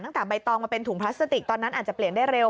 ตั้งแต่ใบตองมาเป็นถุงพลาสติกตอนนั้นอาจจะเปลี่ยนได้เร็ว